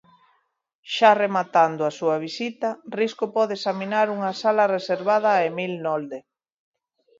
Xa rematando a súa visita, Risco pode examinar unha sala reservada a Emil Nolde.